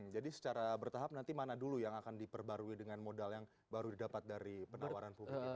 jadi secara bertahap nanti mana dulu yang akan diperbarui dengan modal yang baru didapat dari penawaran